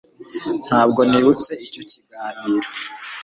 ntabwo nibutse icyo kiganiro